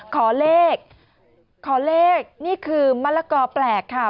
ขอเลขขอเลขนี่คือมะละกอแปลกค่ะ